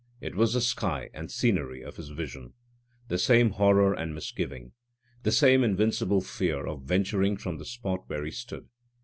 It was the sky and scenery of his vision! The same horror and misgiving. The same invincible fear of venturing from the spot where he stood.